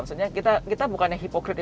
maksudnya kita bukannya hipokrit